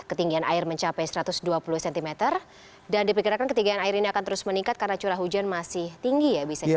ketinggian air mencapai satu ratus dua puluh cm dan diperkirakan ketinggian air ini akan terus meningkat karena curah hujan masih tinggi ya bisa jadi